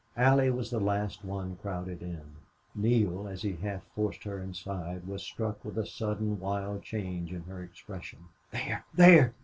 Allie was the last one crowded in. Neale, as he half forced her inside, was struck with a sudden wild change in her expression. "There! There!"